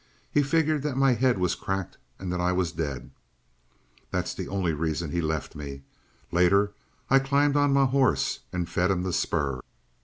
He'd figured that my head was cracked and that I was dead. That's the only reason he left me. Later I climbed on my hoss and fed him the spur.